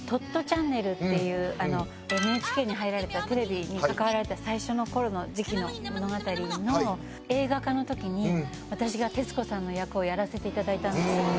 ＮＨＫに入られたテレビに関わられた最初の頃の時期の物語の映画化の時に私が徹子さんの役をやらせていただいたんです。